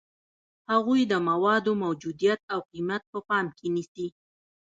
هغوی د موادو موجودیت او قیمت په پام کې نیسي.